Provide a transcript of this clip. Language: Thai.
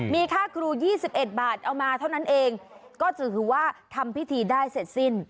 มีค่าครู๒๑บาทเอามาเท่านั้นเองก็จะถือว่าทำพิธีได้เสร็จสิ้น